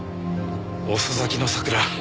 遅咲きの桜。